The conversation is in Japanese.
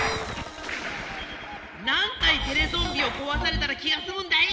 何体テレゾンビをこわされたら気がすむんだい！